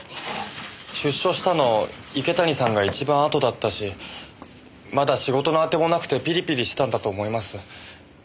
出所したの池谷さんが一番あとだったしまだ仕事のあてもなくてピリピリしてたんだと思います。